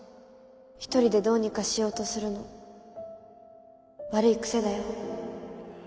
一人でどうにかしようとするの悪い癖だよ。